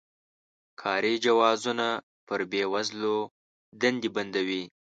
کاري جوازونه پر بې وزلو دندې بندوي.